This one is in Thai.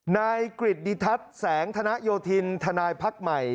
นายกริจดิทัศน์แสงธนโยธินทนายพักใหม่